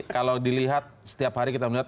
kalau dilihat setiap hari kita melihat